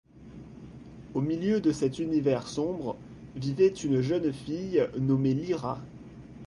Au milieu de cet univers sombre, vivait une jeune fille nommée Lyra.